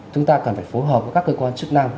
chúng ta cần phải phối hợp với các cơ quan chức năng